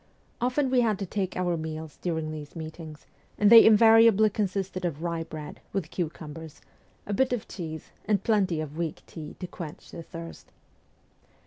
Often we had to take our meals during these meetings, and they invariably consisted of rye bread, with cucumbers, a bit of cheese, and plenty of weak tea to quench the thirst.